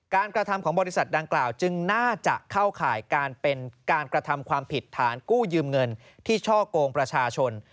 กระทำของบริษัทดังกล่าวจึงน่าจะเข้าข่ายการเป็นการกระทำความผิดฐานกู้ยืมเงินที่ช่อกงประชาชน